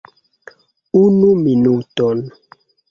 Unu minuton.